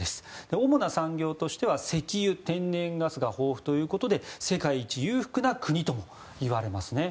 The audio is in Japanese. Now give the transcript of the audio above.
主な産業としては石油・天然ガスが豊富ということで世界一裕福な国ともいわれますね。